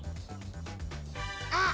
あっ！